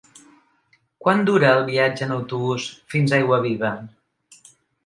Quant dura el viatge en autobús fins a Aiguaviva?